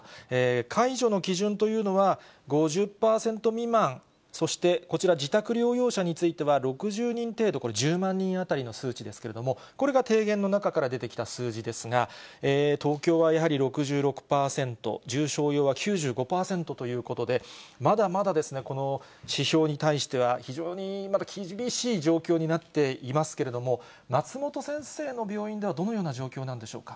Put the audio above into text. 解除の基準というのは、５０％未満、そしてこちら自宅療養者については６０人程度、これ１０万人当たりの数値ですけれども、これが提言の中から出てきた数字ですが、東京はやはり６６％、重症用は９５％ということで、まだまだこの指標に対しては、非常に厳しい状況になっていますけれども、松本先生の病院ではど